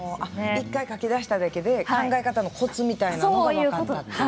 １回書き出しただけで考え方のコツみたいなものも分かったという。